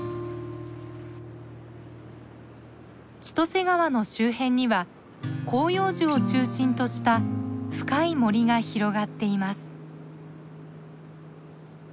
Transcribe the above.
千歳川の周辺には広葉樹を中心とした深い森が広がっています。